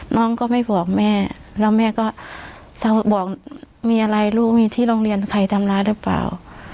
น้องก็ไม่บอกแม่แล้วแม่ก็บอกมีอะไรลูกมีที่โรงเรียนใครทำร้ายหรือเปล่า